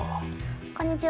こんにちは。